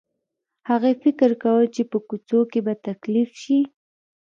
هغې فکر کاوه چې په کوڅو کې به تکليف شي.